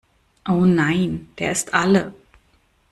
Oh nein, der ist alle!